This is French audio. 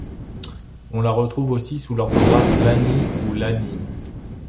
On le retrouve aussi sous l'orthographe Ianis ou Iannis.